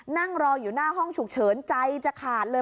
นั่งรออยู่หน้าห้องฉุกเฉินใจจะขาดเลย